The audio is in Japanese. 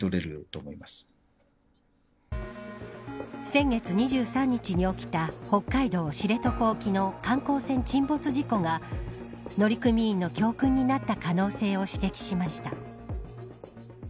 先月２３日に起きた北海道知床沖の観光船沈没事故が乗組員の教訓になった可能性を指摘しました。